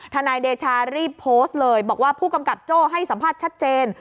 นายเดชารีบโพสต์เลยบอกว่าผู้กำกับโจ้ให้สัมภาษณ์ชัดเจน